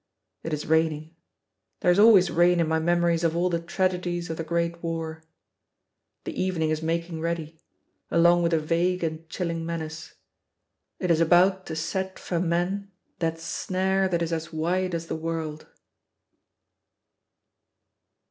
It is raining there is always rain in my memories of all the tragedies of the great war. The evening is making ready, along with a vague and chilling menace; it is about to set for men that snare that is as wide as the world.